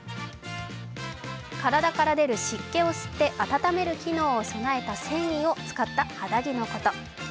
体から出る湿気を吸って温める機能を備えた繊維を使って作った肌着のこと。